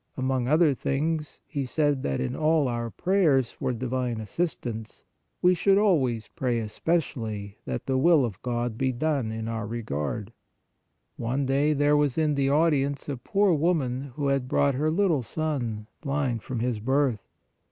Among other things he said that in all our prayers for divine as 44 PRAYER sistance, we should always pray especially that the will of God be done in our regard. One day there was in the audience a poor woman who had brought her little son blind from his birth.